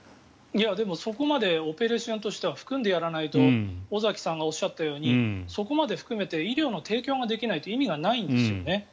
そこまでオペレーションとしては含んでやらないと尾崎さんがおっしゃったようにそこまで含めて医療の提供ができないと意味がないんですよね。